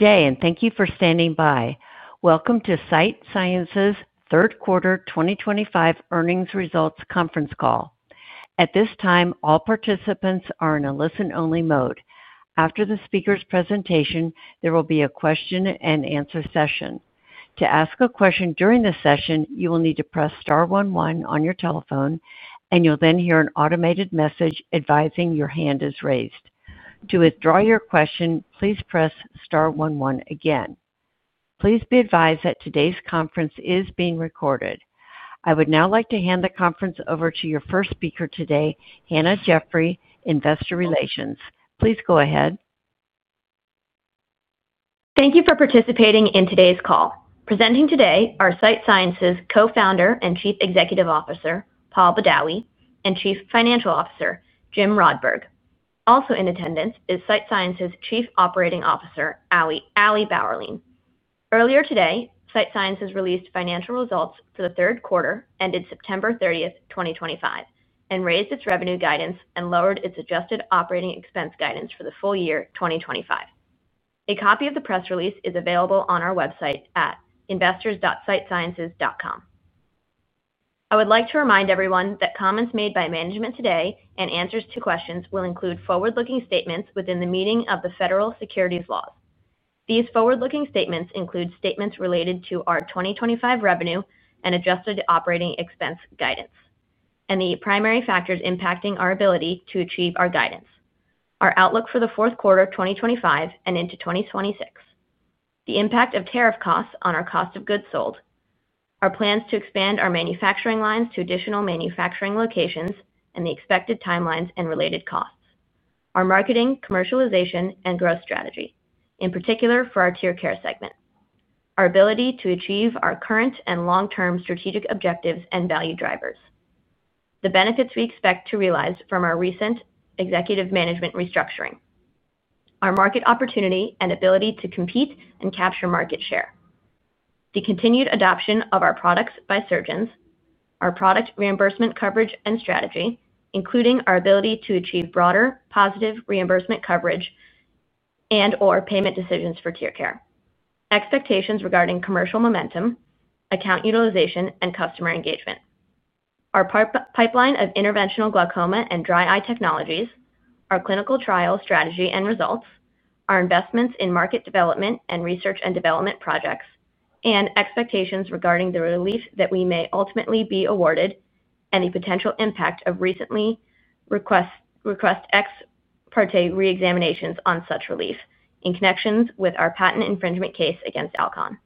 Good day, and thank you for standing by. Welcome to Sight Sciences' third quarter 2025 earnings results conference call. At this time, all participants are in a listen-only mode. After the speaker's presentation, there will be a question-and-answer session. To ask a question during the session, you will need to press star one one on your telephone, and you'll then hear an automated message advising your hand is raised. To withdraw your question, please press star one one again. Please be advised that today's conference is being recorded. I would now like to hand the conference over to your first speaker today, Hannah Jeffrey, Investor Relations. Please go ahead. Thank you for participating in today's call. Presenting today are Sight Sciences' Co-founder and Chief Executive Officer, Paul Badawi, and Chief Financial Officer, Jim Rodberg. Also in attendance is Sight Sciences' Chief Operating Officer, Ali Bauerlein. Earlier today, Sight Sciences released financial results for the third quarter ended September 30, 2025, and raised its revenue guidance and lowered its adjusted operating expense guidance for the full year 2025. A copy of the press release is available on our website at investors.sightsciences.com. I would like to remind everyone that comments made by management today and answers to questions will include forward-looking statements within the meaning of the federal securities laws. These forward-looking statements include statements related to our 2025 revenue and adjusted operating expense guidance, and the primary factors impacting our ability to achieve our guidance, our outlook for the fourth quarter 2025 and into 2026, the impact of tariff costs on our cost of goods sold, our plans to expand our manufacturing lines to additional manufacturing locations, and the expected timelines and related costs, our marketing, commercialization, and growth strategy, in particular for our TearCare segment, our ability to achieve our current and long-term strategic objectives and value drivers, the benefits we expect to realize from our recent executive management restructuring, our market opportunity and ability to compete and capture market share, the continued adoption of our products by surgeons, our product reimbursement coverage and strategy, including our ability to achieve broader positive reimbursement coverage and/or payment decisions for TearCare, expectations regarding commercial momentum, account utilization, and customer engagement, our pipeline of interventional glaucoma and dry eye technologies, our clinical trial strategy and results, our investments in market development and research and development projects, and expectations regarding the relief that we may ultimately be awarded and the potential impact of recently requested ex parte reexaminations on such relief in connection with our patent infringement case against Alcon.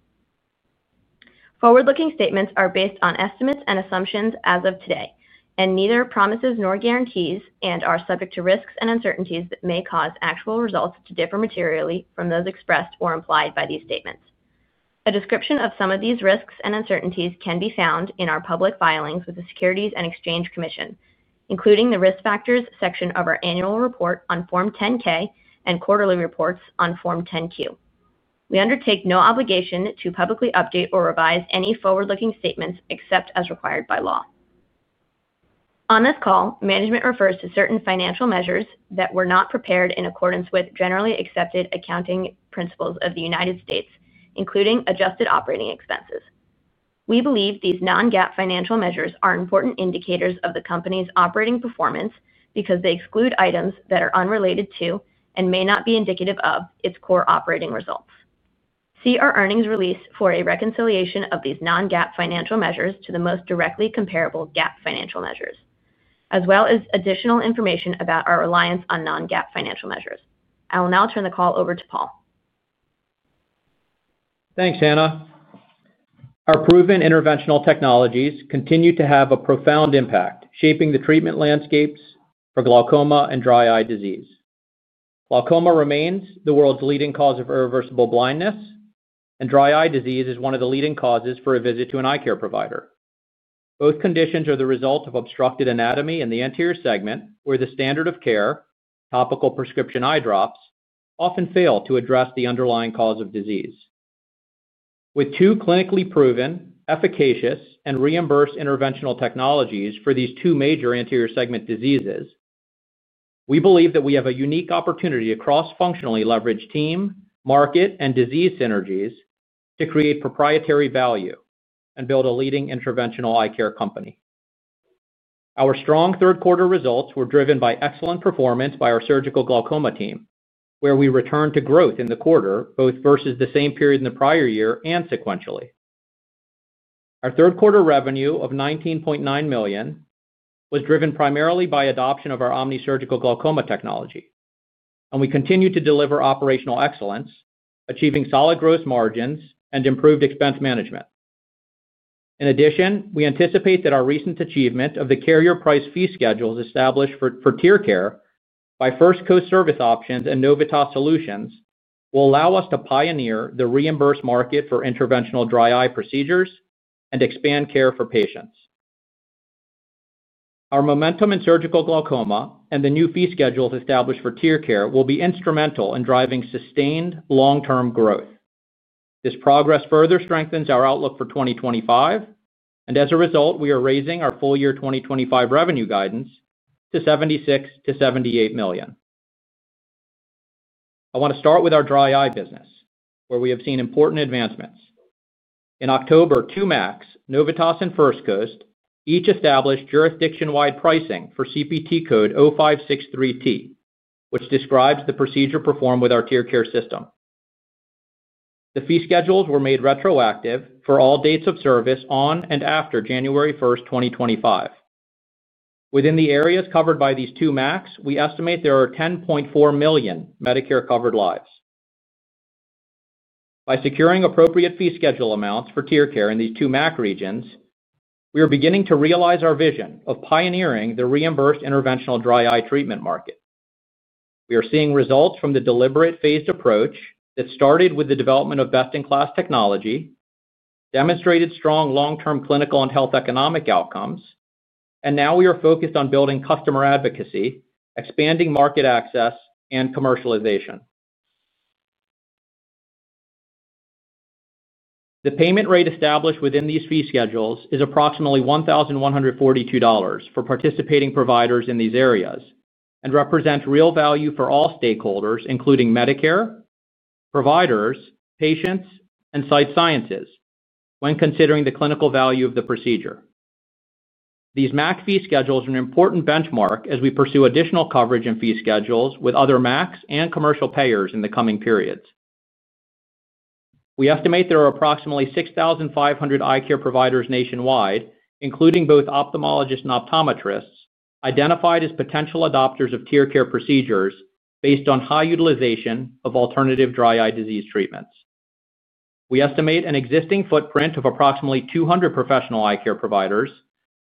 Forward-looking statements are based on estimates and assumptions as of today, and neither promises nor guarantees are subject to risks and uncertainties that may cause actual results to differ materially from those expressed or implied by these statements. A description of some of these risks and uncertainties can be found in our public filings with the Securities and Exchange Commission, including the risk factors section of our annual report on Form 10-K and quarterly reports on Form 10-Q. We undertake no obligation to publicly update or revise any forward-looking statements except as required by law. On this call, management refers to certain financial measures that were not prepared in accordance with generally accepted accounting principles of the United States, including adjusted operating expenses. We believe these non-GAAP financial measures are important indicators of the company's operating performance because they exclude items that are unrelated to and may not be indicative of its core operating results. See our earnings release for a reconciliation of these non-GAAP financial measures to the most directly comparable GAAP financial measures, as well as additional information about our reliance on non-GAAP financial measures. I will now turn the call over to Paul. Thanks, Hannah. Our proven interventional technologies continue to have a profound impact, shaping the treatment landscapes for glaucoma and dry eye disease. Glaucoma remains the world's leading cause of irreversible blindness, and dry eye disease is one of the leading causes for a visit to an eye care provider. Both conditions are the result of obstructed anatomy in the anterior segment, where the standard of care, topical prescription eye drops, often fail to address the underlying cause of disease. With two clinically proven, efficacious, and reimbursed interventional technologies for these two major anterior segment diseases, we believe that we have a unique opportunity across functionally leveraged team, market, and disease synergies to create proprietary value and build a leading interventional eye care company. Our strong third quarter results were driven by excellent performance by our surgical glaucoma team, where we returned to growth in the quarter, both versus the same period in the prior year and sequentially. Our third quarter revenue of $19.9 million was driven primarily by adoption of our OMNI Surgical Glaucoma Technology, and we continue to deliver operational excellence, achieving solid gross margins and improved expense management. In addition, we anticipate that our recent achievement of the carrier price fee schedules established for TearCare by First Coast Service Options and Novitas Solutions will allow us to pioneer the reimbursed market for interventional dry eye procedures and expand care for patients. Our momentum in surgical glaucoma and the new fee schedules established for TearCare will be instrumental in driving sustained long-term growth. This progress further strengthens our outlook for 2025, and as a result, we are raising our full year 2025 revenue guidance to $76 million-$78 million. I want to start with our dry eye business, where we have seen important advancements. In October, two MACs, Novitas and First Coast, each established jurisdiction-wide pricing for CPT code 0563T, which describes the procedure performed with our TearCare system. The fee schedules were made retroactive for all dates of service on and after January 1, 2025. Within the areas covered by these two MACs, we estimate there are 10.4 million Medicare-covered lives. By securing appropriate fee schedule amounts for TearCare in these two MAC regions, we are beginning to realize our vision of pioneering the reimbursed interventional dry eye treatment market. We are seeing results from the deliberate phased approach that started with the development of best-in-class technology, demonstrated strong long-term clinical and health economic outcomes, and now we are focused on building customer advocacy, expanding market access, and commercialization. The payment rate established within these fee schedules is approximately $1,142 for participating providers in these areas and represents real value for all stakeholders, including Medicare, providers, patients, and Sight Sciences, when considering the clinical value of the procedure. These MAC fee schedules are an important benchmark as we pursue additional coverage and fee schedules with other MAC and commercial payers in the coming periods. We estimate there are approximately 6,500 eye care providers nationwide, including both ophthalmologists and optometrists, identified as potential adopters of TearCare procedures based on high utilization of alternative dry eye disease treatments. We estimate an existing footprint of approximately 200 professional eye care providers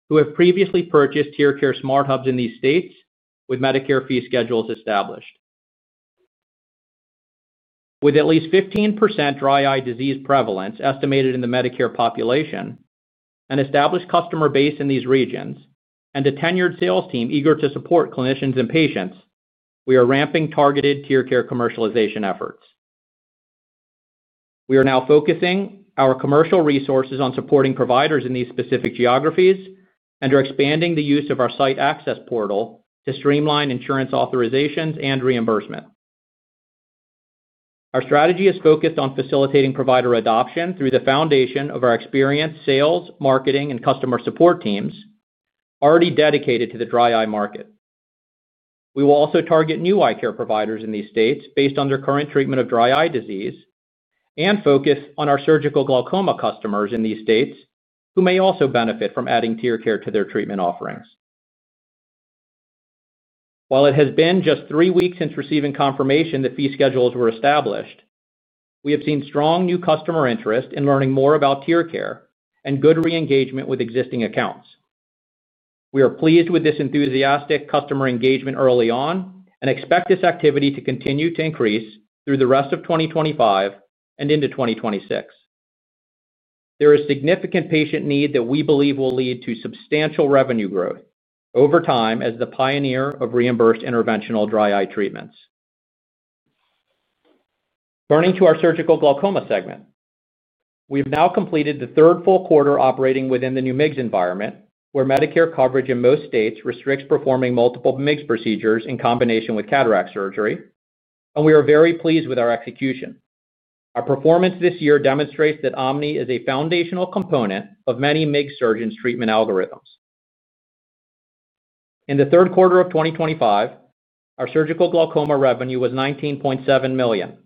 who have previously purchased TearCare Smart Hubs in these states with Medicare fee schedules established. With at least 15% dry eye disease prevalence estimated in the Medicare population, an established customer base in these regions, and a tenured sales team eager to support clinicians and patients, we are ramping targeted TearCare commercialization efforts. We are now focusing our commercial resources on supporting providers in these specific geographies and are expanding the use of our site access portal to streamline insurance authorizations and reimbursement. Our strategy is focused on facilitating provider adoption through the foundation of our experienced sales, marketing, and customer support teams already dedicated to the dry eye market. We will also target new eye care providers in these states based on their current treatment of dry eye disease and focus on our surgical glaucoma customers in these states who may also benefit from adding TearCare to their treatment offerings. While it has been just three weeks since receiving confirmation that fee schedules were established, we have seen strong new customer interest in learning more about TearCare and good re-engagement with existing accounts. We are pleased with this enthusiastic customer engagement early on and expect this activity to continue to increase through the rest of 2025 and into 2026. There is significant patient need that we believe will lead to substantial revenue growth over time as the pioneer of reimbursed interventional dry eye treatments. Turning to our surgical glaucoma segment. We have now completed the third full quarter operating within the new MIGS environment, where Medicare coverage in most states restricts performing multiple MIGS procedures in combination with cataract surgery, and we are very pleased with our execution. Our performance this year demonstrates that OMNI is a foundational component of many MIGS surgeons' treatment algorithms. In the third quarter of 2025, our surgical glaucoma revenue was $19.7 million,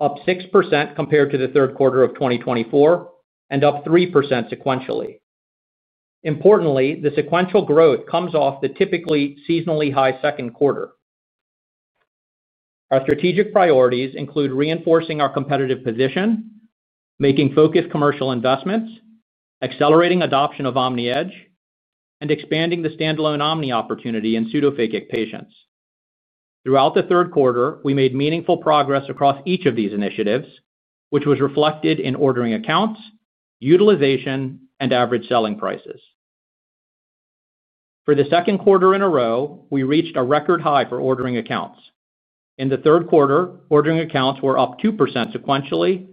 up 6% compared to the third quarter of 2024 and up 3% sequentially. Importantly, the sequential growth comes off the typically seasonally high second quarter. Our strategic priorities include reinforcing our competitive position, making focused commercial investments, accelerating adoption of OMNI Edge, and expanding the standalone OMNI opportunity in pseudophakic patients. Throughout the third quarter, we made meaningful progress across each of these initiatives, which was reflected in ordering accounts, utilization, and average selling prices. For the second quarter in a row, we reached a record high for ordering accounts. In the third quarter, ordering accounts were up 2% sequentially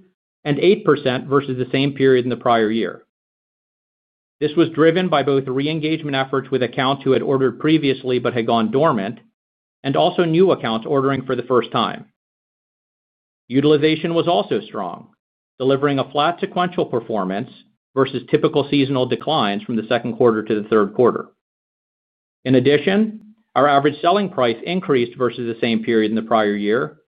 and 8% versus the same period in the prior year. This was driven by both re-engagement efforts with accounts who had ordered previously but had gone dormant and also new accounts ordering for the first time. Utilization was also strong, delivering a flat sequential performance versus typical seasonal declines from the second quarter to the third quarter. In addition, our average selling price increased versus the same period in the prior year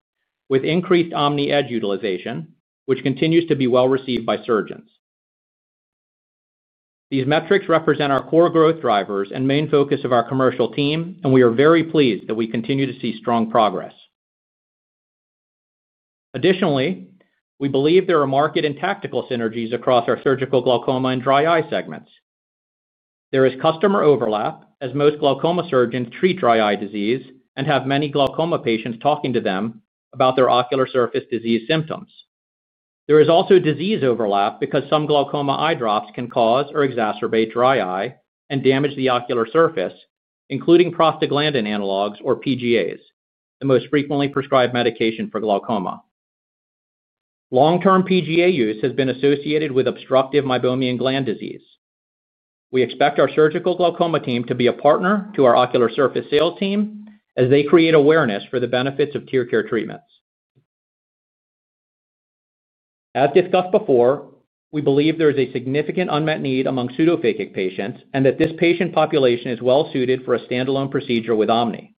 with increased OMNI Edge utilization, which continues to be well received by surgeons. These metrics represent our core growth drivers and main focus of our commercial team, and we are very pleased that we continue to see strong progress. Additionally, we believe there are market and tactical synergies across our surgical glaucoma and dry eye segments. There is customer overlap as most glaucoma surgeons treat dry eye disease and have many glaucoma patients talking to them about their ocular surface disease symptoms. There is also disease overlap because some glaucoma eye drops can cause or exacerbate dry eye and damage the ocular surface, including prostaglandin analogs or PGAs, the most frequently prescribed medication for glaucoma. Long-term PGA use has been associated with obstructive meibomian gland disease. We expect our surgical glaucoma team to be a partner to our ocular surface sales team as they create awareness for the benefits of TearCare treatments. As discussed before, we believe there is a significant unmet need among pseudophakic patients and that this patient population is well suited for a standalone procedure with OMNI.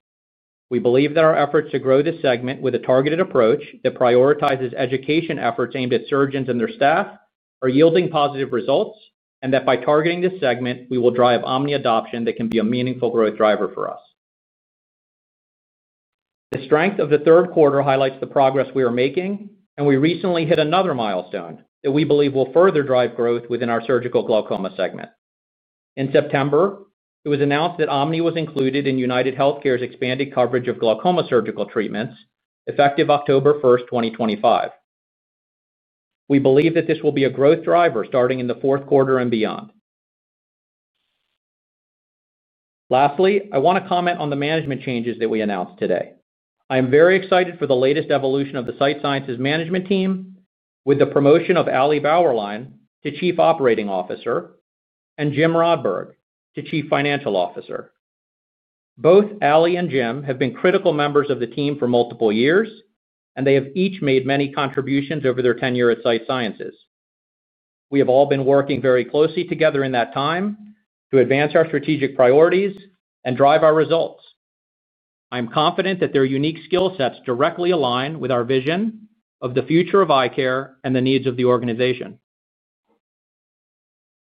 We believe that our efforts to grow this segment with a targeted approach that prioritizes education efforts aimed at surgeons and their staff are yielding positive results and that by targeting this segment, we will drive OMNI adoption that can be a meaningful growth driver for us. The strength of the third quarter highlights the progress we are making, and we recently hit another milestone that we believe will further drive growth within our surgical glaucoma segment. In September, it was announced that OMNI was included in United Healthcare's expanded coverage of glaucoma surgical treatments effective October 1, 2025. We believe that this will be a growth driver starting in the fourth quarter and beyond. Lastly, I want to comment on the management changes that we announced today. I am very excited for the latest evolution of the Sight Sciences management team with the promotion of Ali Bauerlein to Chief Operating Officer and Jim Rodberg to Chief Financial Officer. Both Ali and Jim have been critical members of the team for multiple years, and they have each made many contributions over their tenure at Sight Sciences. We have all been working very closely together in that time to advance our strategic priorities and drive our results. I'm confident that their unique skill sets directly align with our vision of the future of eye care and the needs of the organization.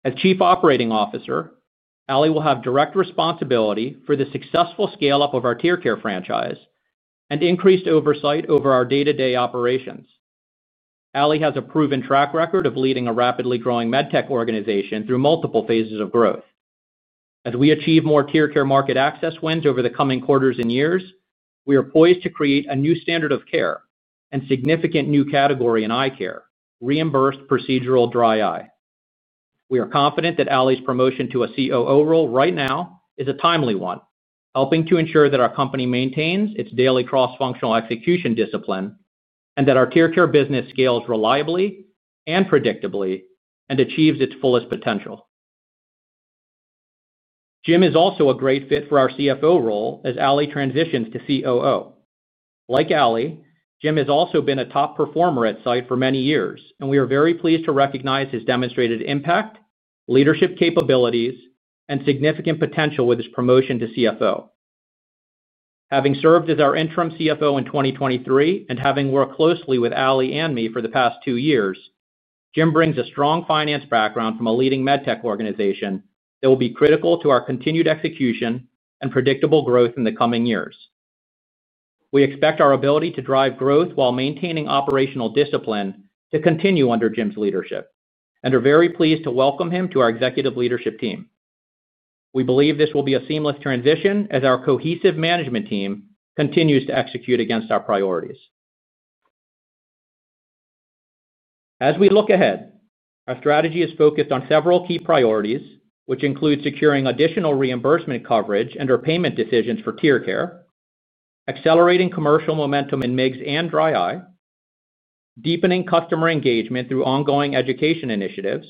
As Chief Operating Officer, Ali will have direct responsibility for the successful scale-up of our TearCare franchise and increased oversight over our day-to-day operations. Ali has a proven track record of leading a rapidly growing medtech organization through multiple phases of growth. As we achieve more TearCare market access wins over the coming quarters and years, we are poised to create a new standard of care and significant new category in eye care, reimbursed procedural dry eye. We are confident that Ali's promotion to a COO role right now is a timely one, helping to ensure that our company maintains its daily cross-functional execution discipline and that our TearCare business scales reliably and predictably and achieves its fullest potential. Jim is also a great fit for our CFO role as Ali transitions to COO. Like Ali, Jim has also been a top performer at Sight for many years, and we are very pleased to recognize his demonstrated impact, leadership capabilities, and significant potential with his promotion to CFO. Having served as our interim CFO in 2023 and having worked closely with Ali and me for the past two years, Jim brings a strong finance background from a leading medtech organization that will be critical to our continued execution and predictable growth in the coming years. We expect our ability to drive growth while maintaining operational discipline to continue under Jim's leadership, and are very pleased to welcome him to our executive leadership team. We believe this will be a seamless transition as our cohesive management team continues to execute against our priorities. As we look ahead, our strategy is focused on several key priorities, which include securing additional reimbursement coverage and/or payment decisions for TearCare, accelerating commercial momentum in MIGS and dry eye, and deepening customer engagement through ongoing education initiatives.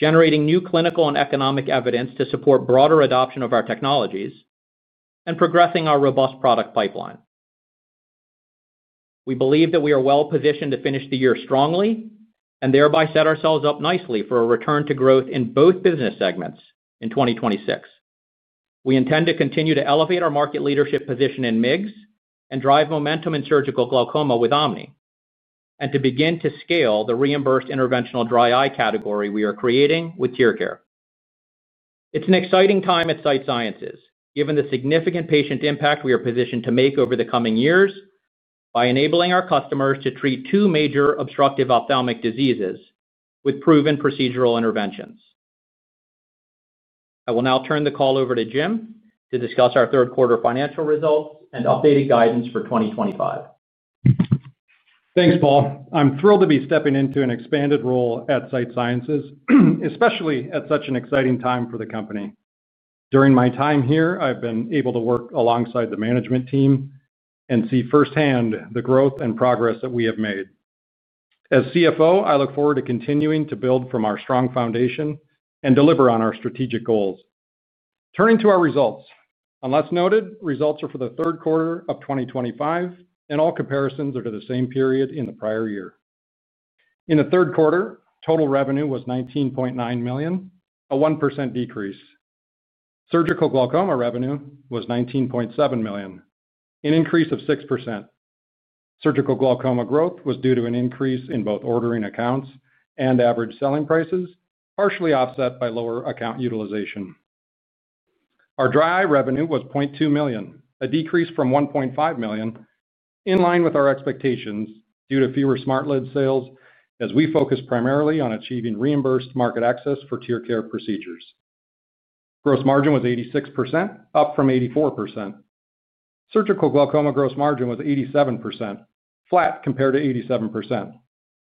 Generating new clinical and economic evidence to support broader adoption of our technologies, and progressing our robust product pipeline. We believe that we are well positioned to finish the year strongly and thereby set ourselves up nicely for a return to growth in both business segments in 2026. We intend to continue to elevate our market leadership position in MIGS and drive momentum in surgical glaucoma with OMNI, and to begin to scale the reimbursed interventional dry eye category we are creating with TearCare. It's an exciting time at Sight Sciences, given the significant patient impact we are positioned to make over the coming years. By enabling our customers to treat two major obstructive ophthalmic diseases with proven procedural interventions. I will now turn the call over to Jim to discuss our third quarter financial results and updated guidance for 2025. Thanks, Paul. I'm thrilled to be stepping into an expanded role at Sight Sciences, especially at such an exciting time for the company. During my time here, I've been able to work alongside the management team and see firsthand the growth and progress that we have made. As CFO, I look forward to continuing to build from our strong foundation and deliver on our strategic goals. Turning to our results, unless noted, results are for the third quarter of 2025, and all comparisons are to the same period in the prior year. In the third quarter, total revenue was $19.9 million, a 1% decrease. Surgical glaucoma revenue was $19.7 million, an increase of 6%. Surgical glaucoma growth was due to an increase in both ordering accounts and average selling prices, partially offset by lower account utilization. Our dry eye revenue was $0.2 million, a decrease from $1.5 million, in line with our expectations due to fewer SmartLid sales as we focus primarily on achieving reimbursed market access for TearCare procedures. Gross margin was 86%, up from 84%. Surgical glaucoma gross margin was 87%, flat compared to 87%,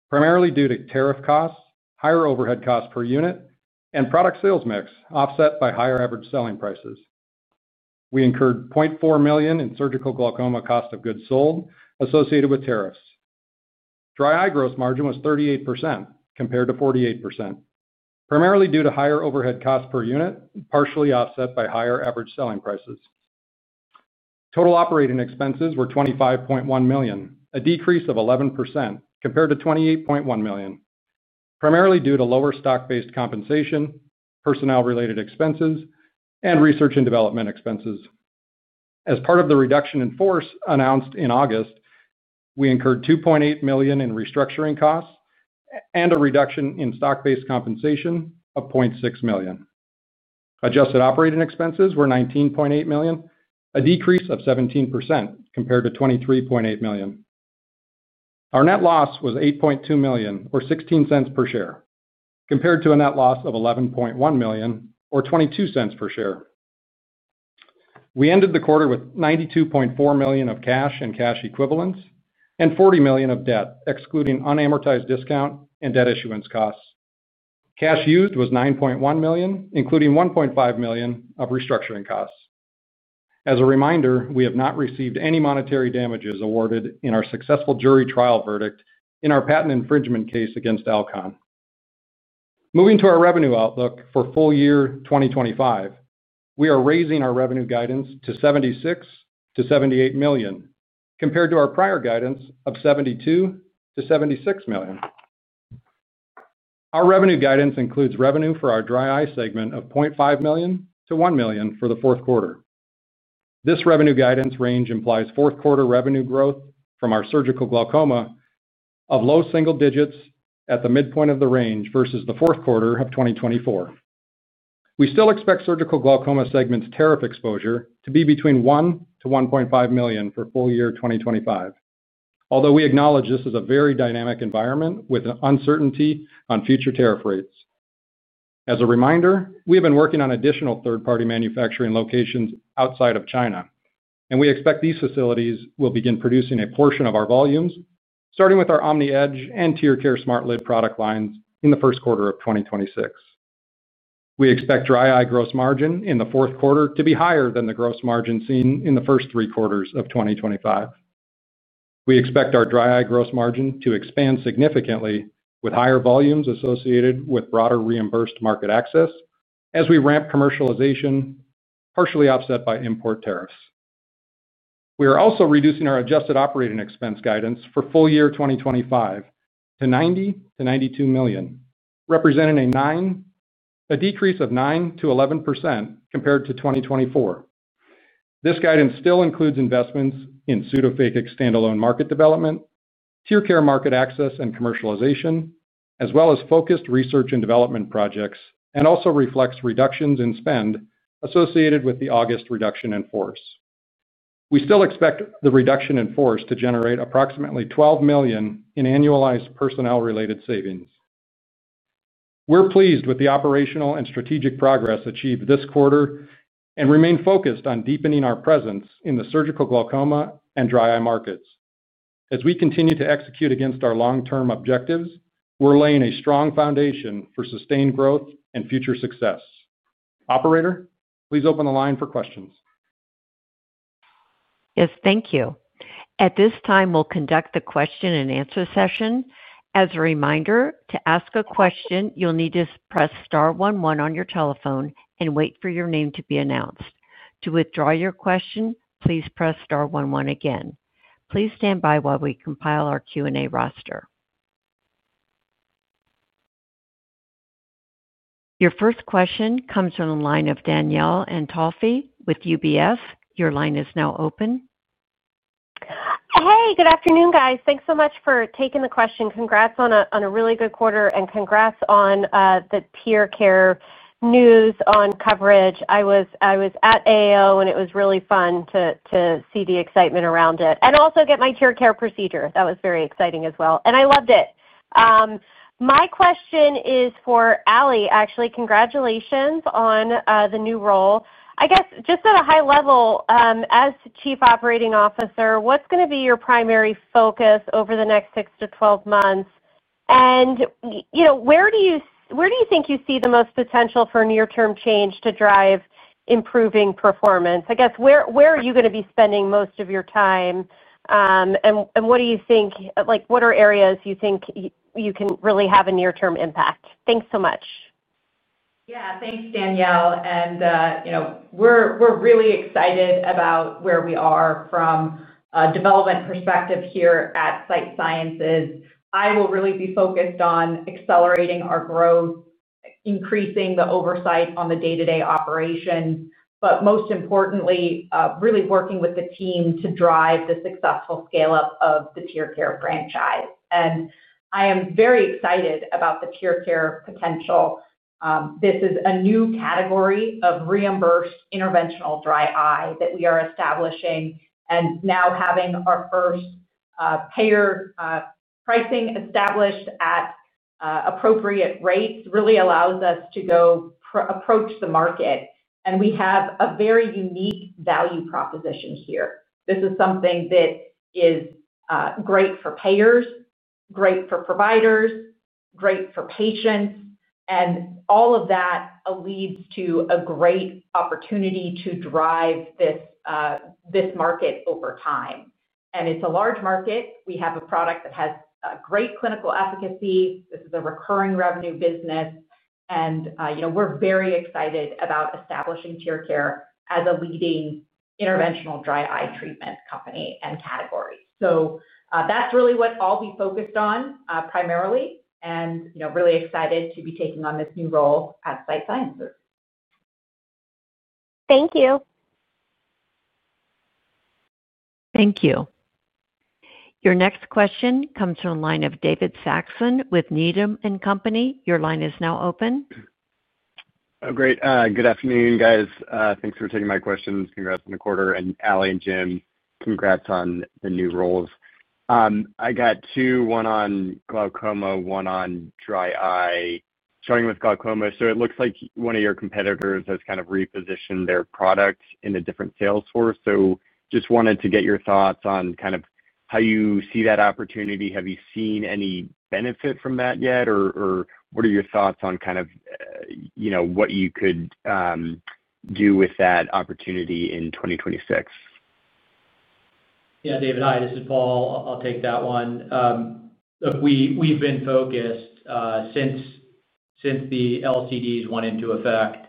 primarily due to tariff costs, higher overhead cost per unit, and product sales mix offset by higher average selling prices. We incurred $0.4 million in surgical glaucoma cost of goods sold associated with tariffs. Dry eye gross margin was 38% compared to 48%, primarily due to higher overhead cost per unit, partially offset by higher average selling prices. Total operating expenses were $25.1 million, a decrease of 11% compared to $28.1 million, primarily due to lower stock-based compensation, personnel-related expenses, and research and development expenses as part of the reduction in force announced in August. We incurred $2.8 million in restructuring costs and a reduction in stock-based compensation of $0.6 million. Adjusted operating expenses were $19.8 million, a decrease of 17% compared to $23.8 million. Our net loss was $8.2 million, or $0.16 per share, compared to a net loss of $11.1 million, or $0.22 per share. We ended the quarter with $92.4 million of cash and cash equivalents and $40 million of debt, excluding unamortized discount and debt issuance costs. Cash used was $9.1 million, including $1.5 million of restructuring costs. As a reminder, we have not received any monetary damages awarded in our successful jury trial verdict in our patent infringement case against Alcon. Moving to our revenue outlook for full year 2025, we are raising our revenue guidance to $76 million-$78 million compared to our prior guidance of $72 million-$76 million. Our revenue guidance includes revenue for our dry eye segment of $0.5 million-$1 million for the fourth quarter. This revenue guidance range implies fourth quarter revenue growth from our surgical glaucoma of low single digits at the midpoint of the range versus the fourth quarter of 2024. We still expect surgical glaucoma segments' tariff exposure to be between $1 million-$1.5 million for full year 2025, although we acknowledge this is a very dynamic environment with uncertainty on future tariff rates. As a reminder, we have been working on additional third-party manufacturing locations outside of China, and we expect these facilities will begin producing a portion of our volumes, starting with our OMNI Edge and TearCare SmartLid product lines in the first quarter of 2026. We expect dry eye gross margin in the fourth quarter to be higher than the gross margin seen in the first three quarters of 2025. We expect our dry eye gross margin to expand significantly with higher volumes associated with broader reimbursed market access as we ramp commercialization, partially offset by import tariffs. We are also reducing our adjusted operating expense guidance for full year 2025 to $90 million-$92 million, representing a decrease of 9%-11% compared to 2024. This guidance still includes investments in pseudophakic standalone market development, TearCare market access and commercialization, as well as focused research and development projects, and also reflects reductions in spend associated with the August reduction in force. We still expect the reduction in force to generate approximately $12 million in annualized personnel-related savings. We're pleased with the operational and strategic progress achieved this quarter and remain focused on deepening our presence in the surgical glaucoma and dry eye markets. As we continue to execute against our long-term objectives, we're laying a strong foundation for sustained growth and future success. Operator, please open the line for questions. Yes, thank you. At this time, we'll conduct the question and answer session. As a reminder, to ask a question, you'll need to press star one one on your telephone and wait for your name to be announced. To withdraw your question, please press star one one again. Please stand by while we compile our Q&A roster. Your first question comes from the line of Danielle Antalffy with UBS. Your line is now open. Hey, good afternoon, guys. Thanks so much for taking the question. Congrats on a really good quarter and congrats on the TearCare news on coverage. I was at AAO, and it was really fun to see the excitement around it and also get my TearCare procedure. That was very exciting as well, and I loved it. My question is for Ali. Actually, congratulations on the new role. I guess just at a high level, as Chief Operating Officer, what's going to be your primary focus over the next 6 to 12 months? Where do you think you see the most potential for near-term change to drive improving performance? I guess where are you going to be spending most of your time, and what are areas you think you can really have a near-term impact? Thanks so much. Yeah, thanks, Danielle. We're really excited about where we are from a development perspective here at Sight Sciences. I will really be focused on accelerating our growth, increasing the oversight on the day-to-day operations, but most importantly, really working with the team to drive the successful scale-up of the TearCare franchise. I am very excited about the TearCare potential. This is a new category of reimbursed interventional dry eye that we are establishing, and now having our first payer pricing established at appropriate rates really allows us to go approach the market, and we have a very unique value proposition here. This is something that is great for payers, great for providers, great for patients, and all of that leads to a great opportunity to drive this market over time. It is a large market. We have a product that has great clinical efficacy. This is a recurring revenue business. We're very excited about establishing TearCare as a leading interventional dry eye treatment company and category. That's really what I'll be focused on primarily, and really excited to be taking on this new role at Sight Sciences. Thank you. Thank you. Your next question comes from the line of David Saxon with Needham & Company. Your line is now open. Great. Good afternoon, guys. Thanks for taking my questions. Congrats on the quarter. Ali and Jim, congrats on the new roles. I got two, one on glaucoma, one on dry eye, starting with glaucoma. It looks like one of your competitors has kind of repositioned their product in a different sales force. Just wanted to get your thoughts on how you see that opportunity. Have you seen any benefit from that yet, or what are your thoughts on kind of. What you could do with that opportunity in 2026? Yeah, David, hi. This is Paul. I'll take that one. We've been focused since the LCDs went into effect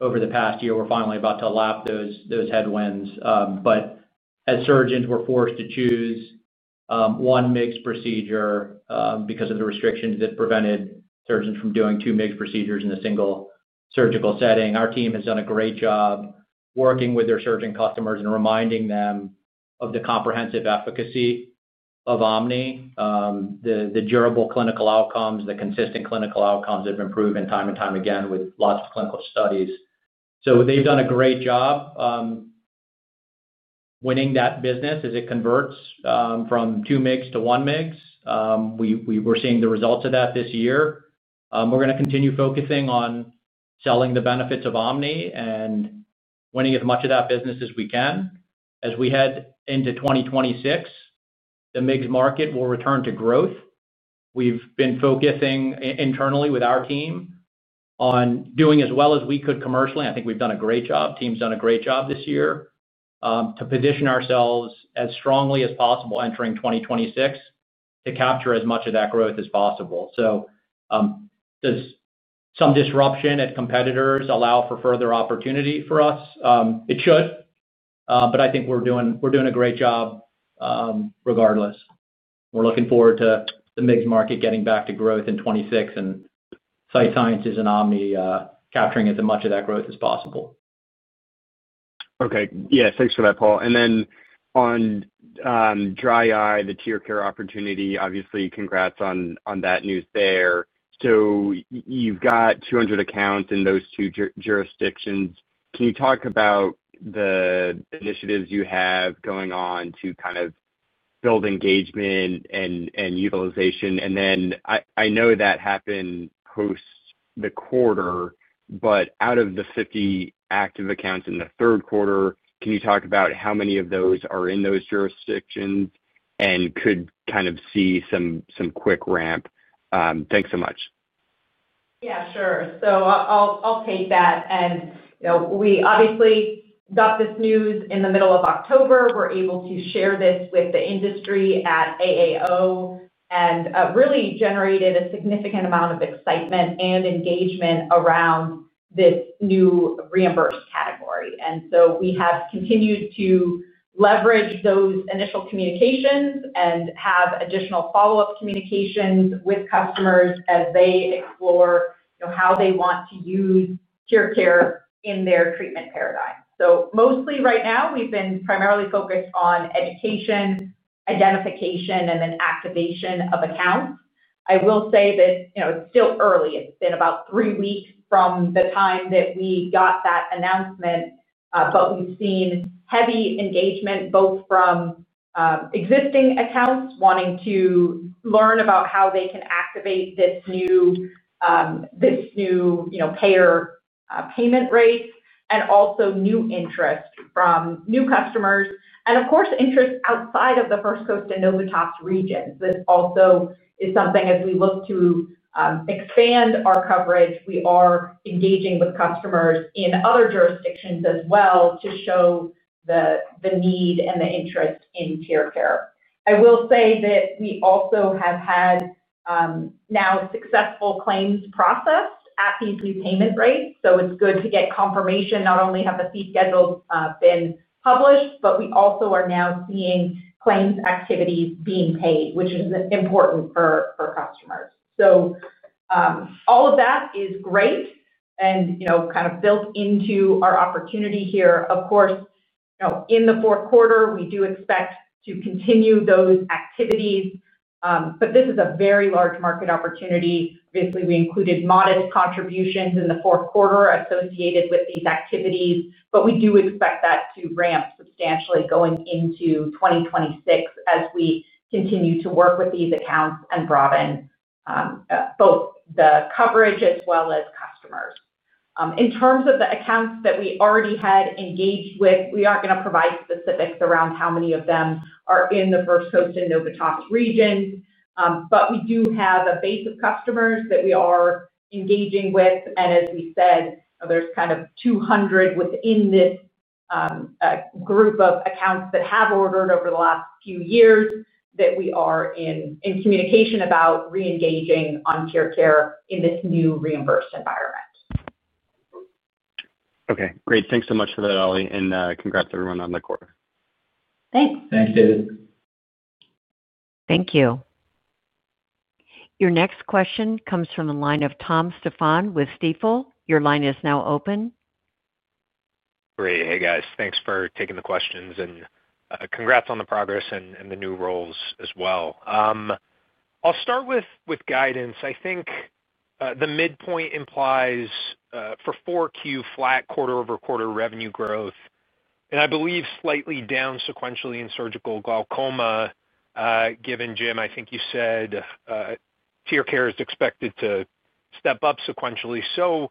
over the past year. We're finally about to lap those headwinds. As surgeons, we're forced to choose one MIGS procedure because of the restrictions that prevented surgeons from doing two MIGS procedures in a single surgical setting. Our team has done a great job working with their surgeon customers and reminding them of the comprehensive efficacy of OMNI. The durable clinical outcomes, the consistent clinical outcomes have improved time and time again with lots of clinical studies. They've done a great job winning that business as it converts from two MIGS to one MIGS. We're seeing the results of that this year. We're going to continue focusing on selling the benefits of OMNI and winning as much of that business as we can. As we head into 2026, the MIGS market will return to growth. We've been focusing internally with our team on doing as well as we could commercially. I think we've done a great job. The team's done a great job this year to position ourselves as strongly as possible entering 2026 to capture as much of that growth as possible. Does some disruption at competitors allow for further opportunity for us? It should. I think we're doing a great job regardless. We're looking forward to the MIGS market getting back to growth in 2026 and Sight Sciences and OMNI capturing as much of that growth as possible. Okay. Yeah, thanks for that, Paul. And then on Dry eye, the TearCare opportunity, obviously, congrats on that news there. So you've got 200 accounts in those two jurisdictions. Can you talk about the initiatives you have going on to kind of build engagement and utilization? And then I know that happened post the quarter, but out of the 50 active accounts in the third quarter, can you talk about how many of those are in those jurisdictions and could kind of see some quick ramp? Thanks so much. Yeah, sure. So I'll take that. And we obviously got this news in the middle of October. We're able to share this with the industry at AAO and really generated a significant amount of excitement and engagement around this new reimbursed category. And so we have continued to leverage those initial communications and have additional follow-up communications with customers as they explore how they want to use TearCare in their treatment paradigm. Mostly right now, we've been primarily focused on education, identification, and then activation of accounts. I will say that it's still early. It's been about three weeks from the time that we got that announcement. We've seen heavy engagement both from existing accounts wanting to learn about how they can activate this new payer payment rate and also new interest from new customers and, of course, interest outside of the First Coast and Novitas regions. This also is something as we look to expand our coverage. We are engaging with customers in other jurisdictions as well to show the need and the interest in TearCare. I will say that we also have had now successful claims processed at these new payment rates. It is good to get confirmation, not only have the fee schedules been published, but we also are now seeing claims activities being paid, which is important for customers. All of that is great and kind of built into our opportunity here. Of course, in the fourth quarter, we do expect to continue those activities. This is a very large market opportunity. Obviously, we included modest contributions in the fourth quarter associated with these activities, but we do expect that to ramp substantially going into 2026 as we continue to work with these accounts and broaden both the coverage as well as customers. In terms of the accounts that we already had engaged with, we are not going to provide specifics around how many of them are in the First Coast and Novitas regions. We do have a base of customers that we are engaging with. As we said, there's kind of 200 within this group of accounts that have ordered over the last few years that we are in communication about re-engaging on TearCare in this new reimbursed environment. Okay. Great. Thanks so much for that, Ali, and congrats everyone on the quarter. Thanks. Thanks, David. Thank you. Your next question comes from the line of Tom Stephan with Stifel. Your line is now open. Great. Hey, guys. Thanks for taking the questions, and congrats on the progress and the new roles as well. I'll start with guidance. I think the midpoint implies for 4Q flat quarter-over-quarter revenue growth, and I believe slightly down sequentially in surgical glaucoma. Given Jim, I think you said TearCare is expected to step up sequentially. So.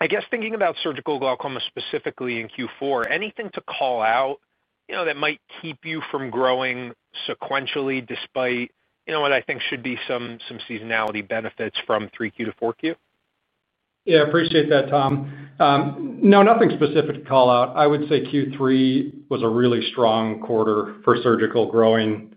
I guess thinking about surgical glaucoma specifically in Q4, anything to call out that might keep you from growing sequentially despite what I think should be some seasonality benefits from 3Q to 4Q? Yeah, appreciate that, Tom. No, nothing specific to call out. I would say Q3 was a really strong quarter for surgical, growing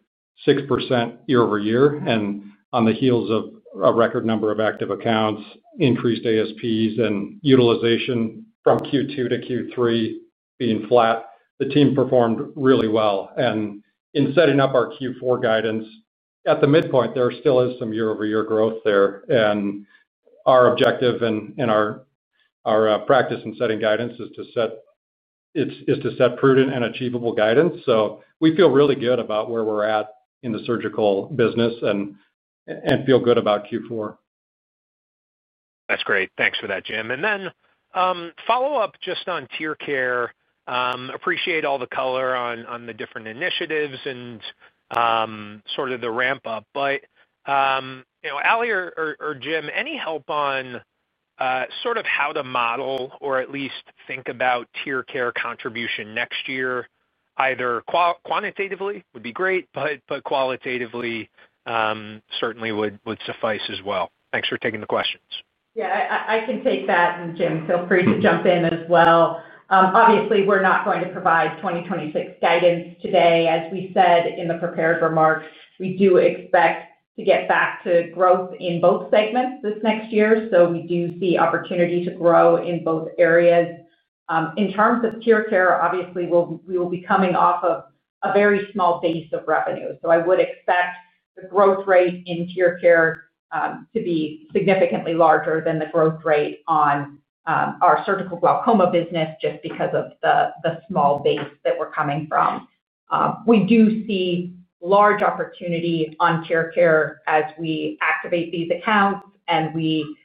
6% year-over-year, and on the heels of a record number of active accounts, increased ASPs, and utilization from Q2 to Q3 being flat, the team performed really well. In setting up our Q4 guidance, at the midpoint, there still is some year-over-year growth there. Our objective and our practice in setting guidance is to set prudent and achievable guidance. We feel really good about where we're at in the surgical business and feel good about Q4. That's great. Thanks for that, Jim. Follow-up just on TearCare. Appreciate all the color on the different initiatives and sort of the ramp-up. Ali or Jim, any help on sort of how to model or at least think about TearCare contribution next year? Either quantitatively would be great, but qualitatively certainly would suffice as well. Thanks for taking the questions. Yeah, I can take that. Jim, feel free to jump in as well. Obviously, we're not going to provide 2026 guidance today. As we said in the prepared remarks, we do expect to get back to growth in both segments this next year. We do see opportunity to grow in both areas. In terms of TearCare, obviously, we will be coming off of a very small base of revenue. I would expect the growth rate in TearCare to be significantly larger than the growth rate on. Our surgical glaucoma business just because of the small base that we're coming from. We do see large opportunity on TearCare as we activate these accounts, and we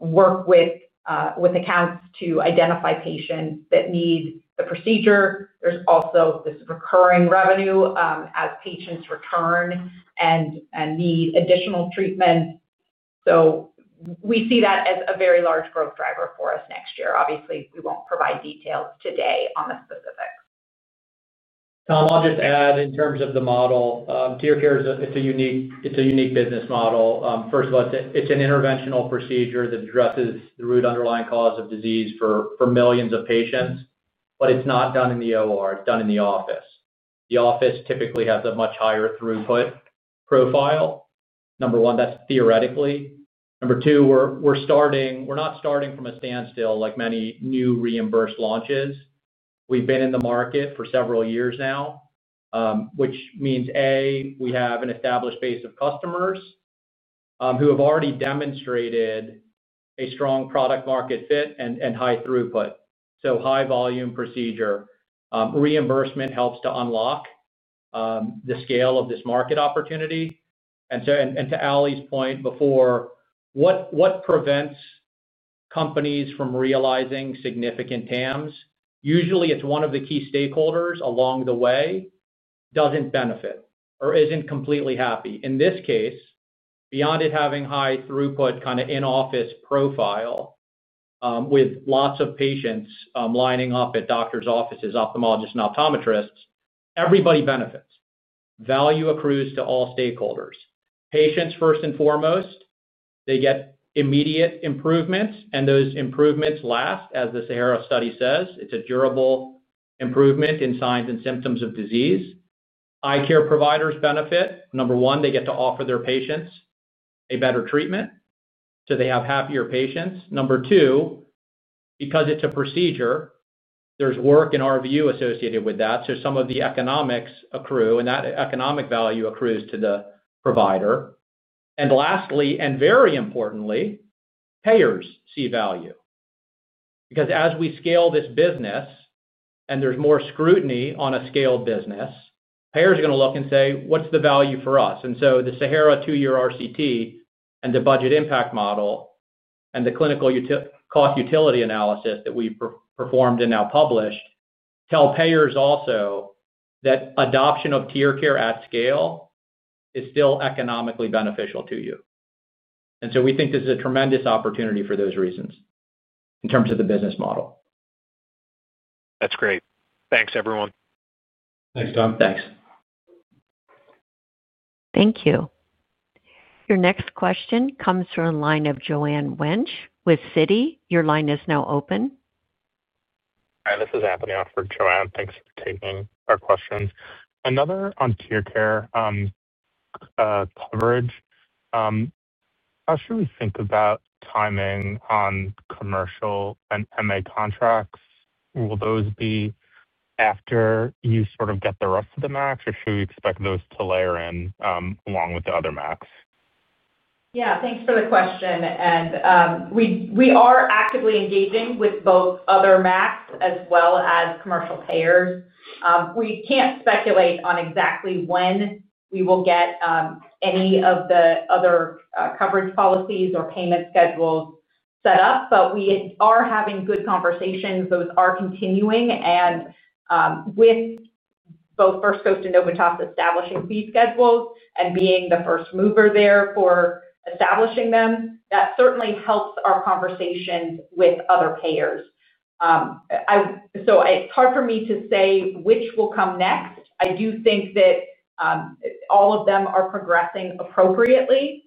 work with accounts to identify patients that need the procedure. There's also this recurring revenue as patients return and need additional treatment. We see that as a very large growth driver for us next year. Obviously, we won't provide details today on the specifics. Tom, I'll just add in terms of the model. TearCare is a unique business model. First of all, it's an interventional procedure that addresses the root underlying cause of disease for millions of patients, but it's not done in the OR. It's done in the office. The office typically has a much higher throughput profile. Number one, that's theoretically. Number two, we're not starting from a standstill like many new reimbursed launches. We've been in the market for several years now, which means, A, we have an established base of customers who have already demonstrated a strong product-market fit and high throughput. So high-volume procedure reimbursement helps to unlock the scale of this market opportunity. And to Ali's point before, what prevents companies from realizing significant TAMs? Usually, it's one of the key stakeholders along the way that doesn't benefit or isn't completely happy. In this case, beyond it having high throughput kind of in-office profile, with lots of patients lining up at doctors' offices, ophthalmologists, and optometrists, everybody benefits. Value accrues to all stakeholders. Patients, first and foremost, they get immediate improvements, and those improvements last, as the SAHARA study says. It's a durable improvement in signs and symptoms of disease. Eye care providers benefit. Number one, they get to offer their patients a better treatment, so they have happier patients. Number two. Because it's a procedure, there's work in our view associated with that. Some of the economics accrue, and that economic value accrues to the provider. Lastly, and very importantly, payers see value. Because as we scale this business and there's more scrutiny on a scaled business, payers are going to look and say, "What's the value for us?" The SAHARA two-year RCT and the budget impact model and the clinical cost utility analysis that we performed and now published tell payers also that adoption of TearCare at scale is still economically beneficial to you. We think this is a tremendous opportunity for those reasons in terms of the business model. That's great. Thanks, everyone. Thanks, Tom. Thanks. Thank you. Your next question comes from a line of Joanne Wuensch with Citi. Your line is now open. Hi, this is Anthony for Joanne. Thanks for taking our questions. Another on TearCare. Coverage. How should we think about timing on commercial and MA contracts? Will those be after you sort of get the rest of the MACs, or should we expect those to layer in along with the other MACs? Yeah, thanks for the question. We are actively engaging with both other MACs as well as commercial payers. We can't speculate on exactly when we will get any of the other coverage policies or payment schedules set up, but we are having good conversations. Those are continuing. With both First Coast and Novitas establishing fee schedules and being the first mover there for establishing them, that certainly helps our conversations with other payers. It's hard for me to say which will come next. I do think that all of them are progressing appropriately.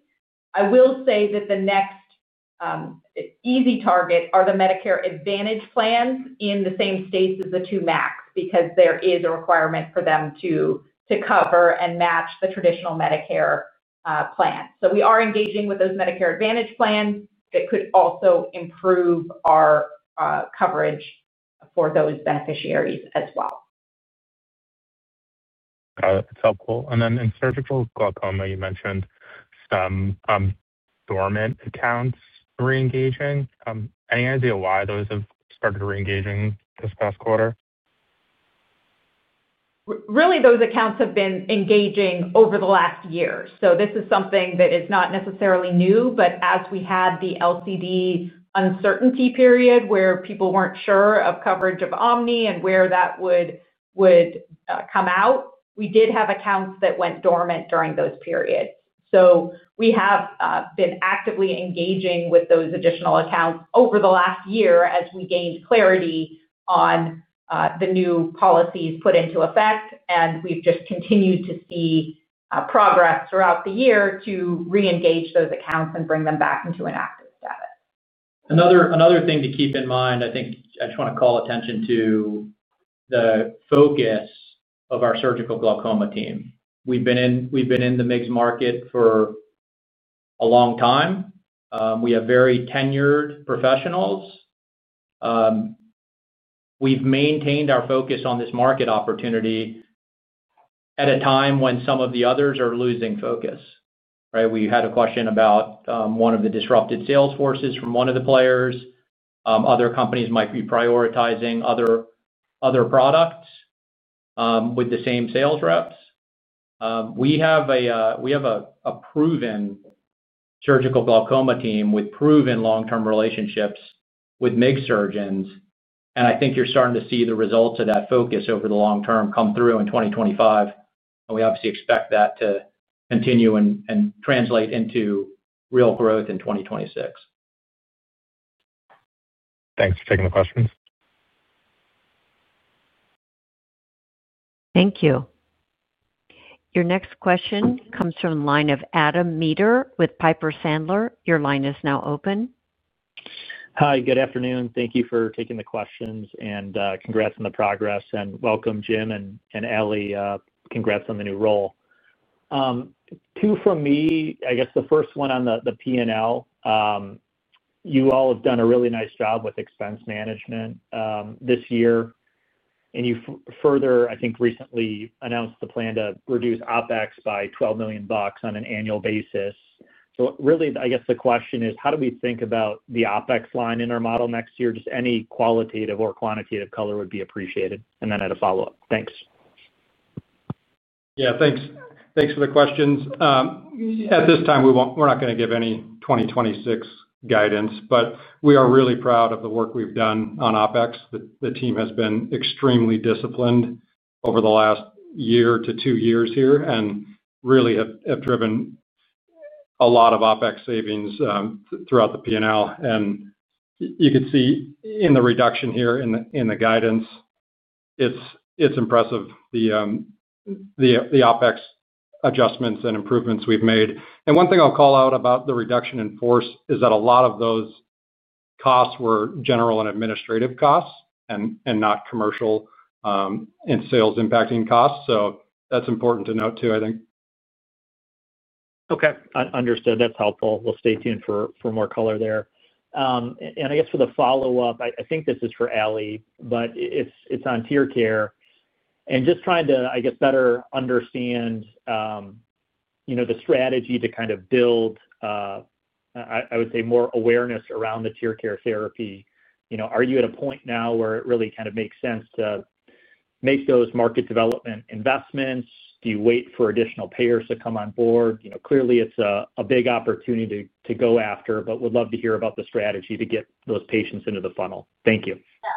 I will say that the next easy target are the Medicare Advantage Plans in the same states as the two MACs because there is a requirement for them to cover and match the traditional Medicare plan. We are engaging with those Medicare Advantage Plans that could also improve our coverage for those beneficiaries as well. Got it. That's helpful. In surgical glaucoma, you mentioned some dormant accounts re-engaging. Any idea why those have started re-engaging this past quarter? Really, those accounts have been engaging over the last year. This is something that is not necessarily new, but as we had the LCD uncertainty period where people were not sure of coverage of OMNI and where that would come out, we did have accounts that went dormant during those periods. We have been actively engaging with those additional accounts over the last year as we gained clarity on the new policies put into effect, and we have just continued to see progress throughout the year to re-engage those accounts and bring them back into an active status. Another thing to keep in mind, I think I just want to call attention to the focus of our surgical glaucoma team. We have been in the MIGS market for a long time. We have very tenured professionals. We have maintained our focus on this market opportunity at a time when some of the others are losing focus. Right? We had a question about one of the disrupted sales forces from one of the players. Other companies might be prioritizing other products with the same sales reps. We have a proven surgical glaucoma team with proven long-term relationships with MIGS surgeons, and I think you're starting to see the results of that focus over the long term come through in 2025. We obviously expect that to continue and translate into real growth in 2026. Thanks for taking the questions. Thank you. Your next question comes from a line of Adam Maeder with Piper Sandler. Your line is now open. Hi. Good afternoon. Thank you for taking the questions and congrats on the progress. Welcome, Jim and Ali. Congrats on the new role. Two from me. I guess the first one on the P&L. You all have done a really nice job with expense management this year, and you further, I think, recently announced the plan to reduce OpEx by $12 million on an annual basis. I guess the question is, how do we think about the OpEx line in our model next year? Just any qualitative or quantitative color would be appreciated. And then I'd follow up. Thanks. Yeah, thanks. Thanks for the questions. At this time, we're not going to give any 2026 guidance, but we are really proud of the work we've done on OpEx. The team has been extremely disciplined over the last year to two years here and really have driven a lot of OpEx savings throughout the P&L. You could see in the reduction here in the guidance. It's impressive. The OpEx adjustments and improvements we've made. One thing I'll call out about the reduction in force is that a lot of those costs were general and administrative costs and not commercial and sales-impacting costs. That's important to note too, I think. Okay. Understood. That's helpful. We'll stay tuned for more color there. I guess for the follow-up, I think this is for Ali, but it's on TearCare. Just trying to, I guess, better understand the strategy to kind of build, I would say, more awareness around the TearCare therapy. Are you at a point now where it really kind of makes sense to make those market development investments? Do you wait for additional payers to come on board? Clearly, it's a big opportunity to go after, but would love to hear about the strategy to get those patients into the funnel. Thank you. Yeah,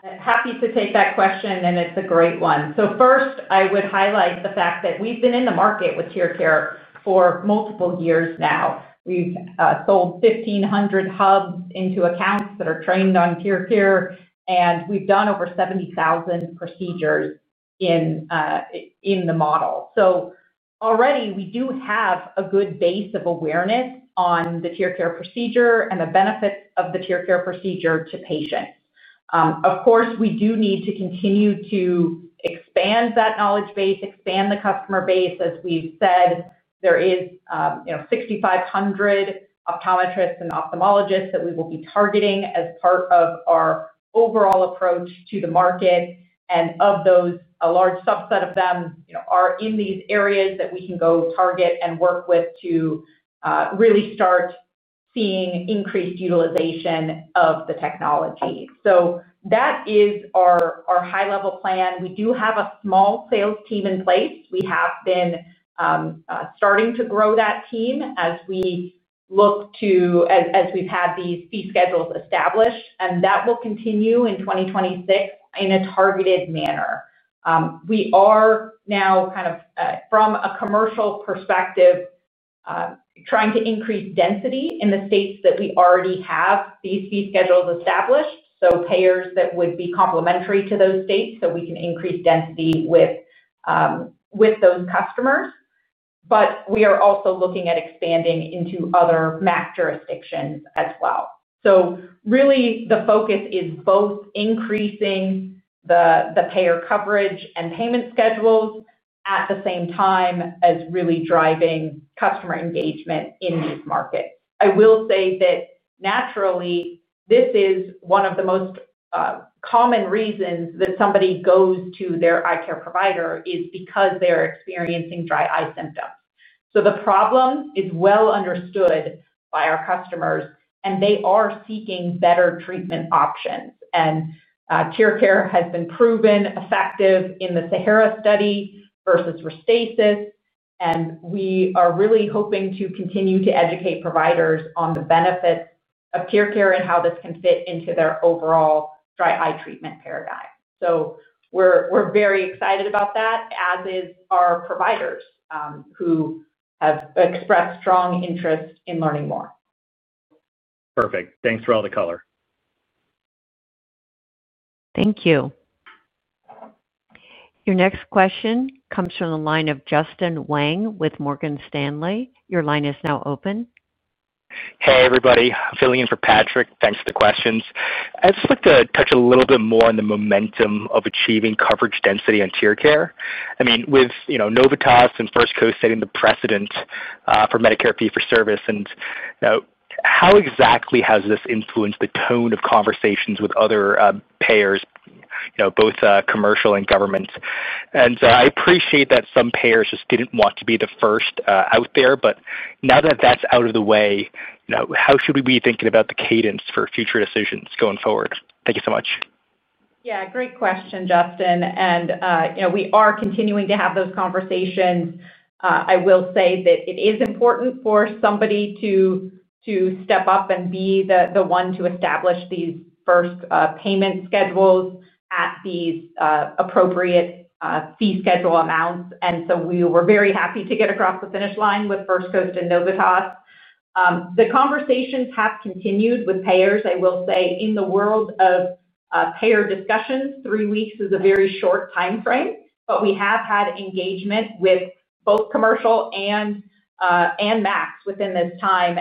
happy to take that question, and it's a great one. First, I would highlight the fact that we've been in the market with TearCare for multiple years now. We've sold 1,500 hubs into accounts that are trained on TearCare, and we've done over 70,000 procedures in the model. Already, we do have a good base of awareness on the TearCare procedure and the benefits of the TearCare procedure to patients. Of course, we do need to continue to expand that knowledge base, expand the customer base. As we've said, there are 6,500 optometrists and ophthalmologists that we will be targeting as part of our overall approach to the market. Of those, a large subset of them are in these areas that we can go target and work with to really start seeing increased utilization of the technology. That is our high-level plan. We do have a small sales team in place. We have been starting to grow that team as we look to. As we've had these fee schedules established, and that will continue in 2026 in a targeted manner. We are now kind of, from a commercial perspective, trying to increase density in the states that we already have these fee schedules established. So payers that would be complementary to those states so we can increase density with those customers. But we are also looking at expanding into other MAC jurisdictions as well. Really, the focus is both increasing the payer coverage and payment schedules at the same time as really driving customer engagement in these markets. I will say that naturally, this is one of the most common reasons that somebody goes to their eye care provider is because they are experiencing dry eye symptoms. The problem is well understood by our customers, and they are seeking better treatment options. TearCare has been proven effective in the SAHARA Study versus RESTASIS. We are really hoping to continue to educate providers on the benefits of TearCare and how this can fit into their overall dry eye treatment paradigm. We are very excited about that, as are our providers who have expressed strong interest in learning more. Perfect. Thanks for all the color. Thank you. Your next question comes from the line of Justin Wang with Morgan Stanley. Your line is now open. Hey, everybody. I'm filling in for Patrick. Thanks for the questions. I just like to touch a little bit more on the momentum of achieving coverage density on TearCare. I mean, with Novitas and First Coast setting the precedent for Medicare fee-for-service, how exactly has this influenced the tone of conversations with other payers, both commercial and government? I appreciate that some payers just did not want to be the first out there, but now that that is out of the way, how should we be thinking about the cadence for future decisions going forward? Thank you so much. Yeah. Great question, Justin. We are continuing to have those conversations. I will say that it is important for somebody to step up and be the one to establish these first payment schedules at these appropriate fee schedule amounts. We were very happy to get across the finish line with First Coast and Novitas. The conversations have continued with payers. I will say, in the world of payer discussions, three weeks is a very short time frame, but we have had engagement with both commercial and MACs within this time.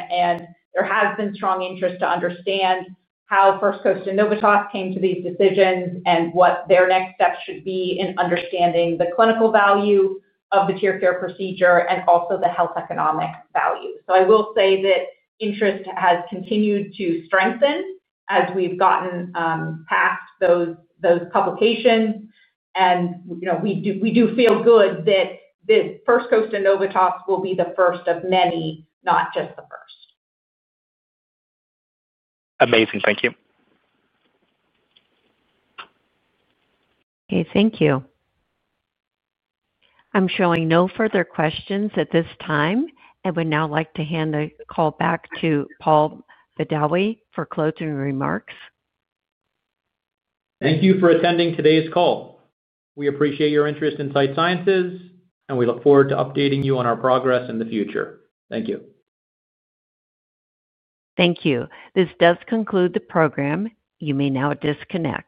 There has been strong interest to understand how First Coast and Novitas came to these decisions and what their next steps should be in understanding the clinical value of the TearCare procedure and also the health economic value. I will say that interest has continued to strengthen as we've gotten past those publications. We do feel good that First Coast and Novitas will be the first of many, not just the first. Amazing. Thank you. Okay. Thank you. I'm showing no further questions at this time, and would now like to hand the call back to Paul Badawi for closing remarks. Thank you for attending today's call. We appreciate your interest in Sight Sciences, and we look forward to updating you on our progress in the future. Thank you. Thank you. This does conclude the program. You may now disconnect.